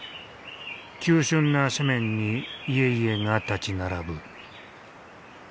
急しゅんな斜面に家々が立ち並ぶ。